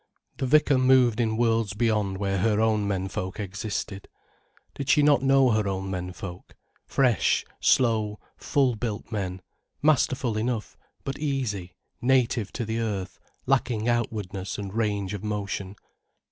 The vicar moved in worlds beyond where her own menfolk existed. Did she not know her own menfolk: fresh, slow, full built men, masterful enough, but easy, native to the earth, lacking outwardness and range of motion.